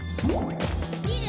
「みる！